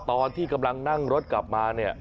ตอนที่กำลังนั่งรถกลับมาเนี่ย